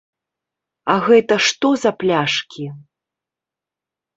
А гэта што за пляшкі?